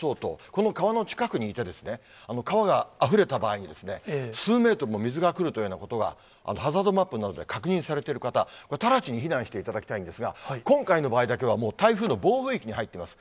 この川の近くにいて、川があふれた場合に、数メートルも水が来るというようなことが、ハザードマップなどで確認されている方、直ちに避難していただきたいんですが、今回の場合だけは、もう台風の暴風域に入ってます。